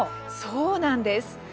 そうなんです。